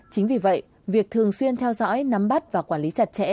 chính vì vậy việc thường xuyên theo dõi nắm bắt và quản lý chặt chẽ